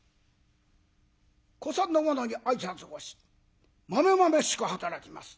古参の者に挨拶をしまめまめしく働きます。